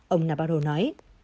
ông nabarro nói